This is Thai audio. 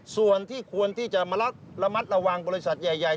ส่วนที่ควรที่จะมาระมัดระวังบริษัทใหญ่